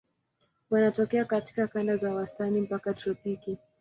Wanatokea katika kanda za wastani mpaka tropiki.